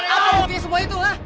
apa buktinya semua itu hah